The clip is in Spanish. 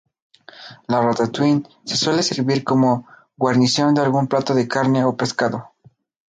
La ratatouille se suele servir como guarnición de algún plato de carne o pescado.